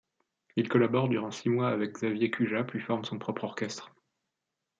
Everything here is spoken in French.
Il collabore durant six mois avec Xavier Cugat, puis forme son propre orchestre.